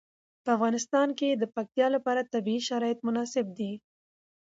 په افغانستان کې د پکتیا لپاره طبیعي شرایط مناسب دي.